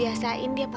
asal ini sesuai sih